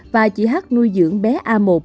và chị h nuôi dưỡng bé a một